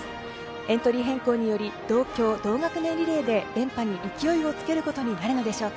エントリー変更により同郷、同学年リレーでメンバーに勢いをつけることになるのでしょうか。